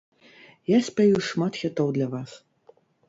Я спяю шмат хітоў для вас.